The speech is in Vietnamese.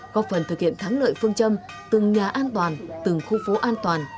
có phần thực hiện thắng lợi phương châm từng nhà an toàn từng khu phố an toàn